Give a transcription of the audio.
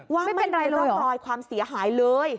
ไม่มีร่องรอยความเสียหายเลย